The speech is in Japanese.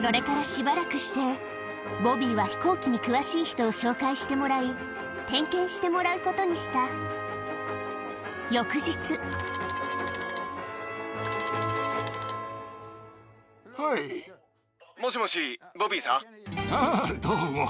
それからしばらくしてボビーは飛行機に詳しい人を紹介してもらい点検してもらうことにした翌日あぁどうも。